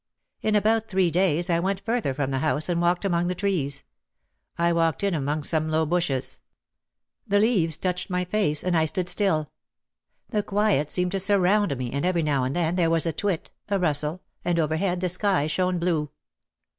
In about three days I went further from the house and walked among the trees. I walked in among some low bushes. The leaves touched my face and I stood 262 OUT OF THE SHADOW still. The quiet seemed to surround me and every now and then there was a twit, a rustle, and overhead the sky shone blue.